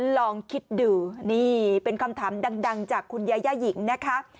ลองคิดดูนี่เป็นคำถามดังจากคุณยาย่าหญิงนะคะ